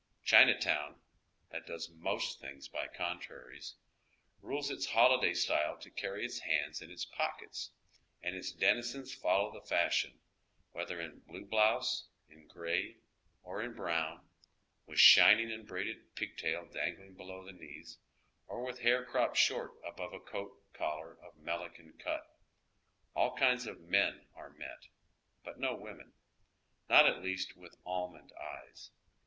Chinatown, that does most things by contraries, rules it holiday style to carry its hands in its pockets, and its denizens follow the fashion, whether in blue blouse, in gray, or in brown, with shining and braided pig tail dang ling below the knees, or with hair cropped short above a coat collar of " Melican " cut. All kinds of men are met, but no women— none at least with almond eyes.